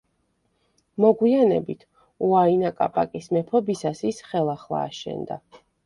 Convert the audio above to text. მოგვიანებით, უაინა კაპაკის მეფობისას ის ხელახლა აშენდა.